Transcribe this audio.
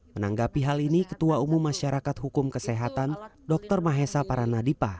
menanggapi hal ini ketua umum masyarakat hukum kesehatan dr mahesa paranadipa